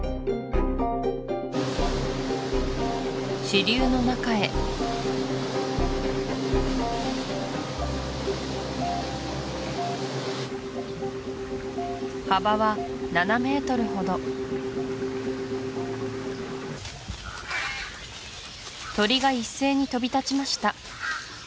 支流の中へ幅は７ｍほど鳥が一斉に飛び立ちました